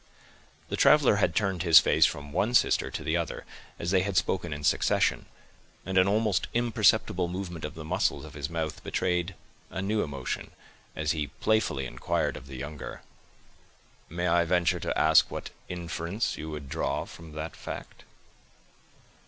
The traveler had turned his face from one sister to the other, as they had spoken in succession, and an almost imperceptible movement of the muscles of his mouth betrayed a new emotion, as he playfully inquired of the younger,— "May I venture to ask what inference you would draw from that fact?"